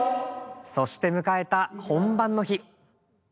そして迎えた本番の日。